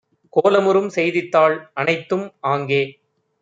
கோலமுறும் செய்தித்தாள் அனைத்தும் ஆங்கே